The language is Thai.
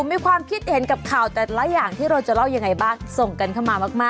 มีความคิดเห็นกับข่าวแต่ละอย่างที่เราจะเล่ายังไงบ้างส่งกันเข้ามามาก